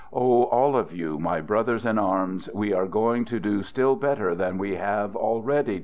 Oh, all of you, my brothers in arms, we are going to do still better than we have already done, are we not?